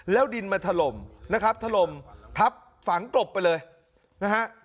แล้วดินมาถล่มนะครับถล่มทับฝังกลบไปเลยนะฮะ